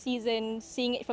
pada musim yang berbeda